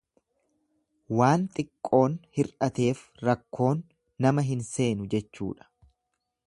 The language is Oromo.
Waan xiqqoon hir'ateef rakkoon nama hin seenu jechuudha.